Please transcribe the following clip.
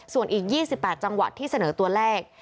ส่วนอีก๒๘จังหวัดที่เสนอตัวเลข